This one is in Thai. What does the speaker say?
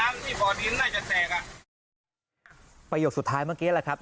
ที่บ่อดินน่าจะแตกอ่ะประโยคสุดท้ายเมื่อกี้แหละครับ